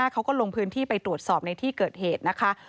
เขาก็ลงพื้นที่ไปตรวจสอบตั้งเป็นที่เกิดเหตุ